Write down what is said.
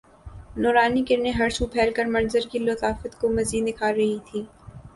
نورانی کرنیں ہر سو پھیل کر منظر کی لطافت کو مزید نکھار رہی تھیں